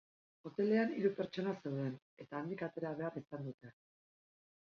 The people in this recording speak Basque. Hotelean hiru pertsona zeuden, eta handik atera behar izan dute.